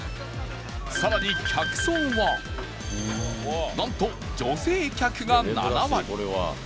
さらに客層はなんと女性客が７割